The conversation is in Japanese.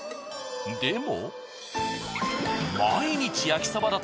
でも。